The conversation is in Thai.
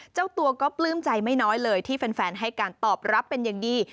เจ้าตัวก็ปลื้มใจไม่น้อยเลยที่แฟนให้การตอบรับเป็นอย่างดี